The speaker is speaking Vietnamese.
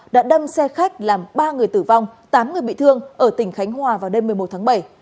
đã đâm xe khách làm ba người tử vong tám người bị thương ở tỉnh khánh hòa vào đêm một mươi một tháng bảy